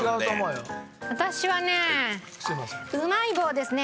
私はねうまい棒ですね。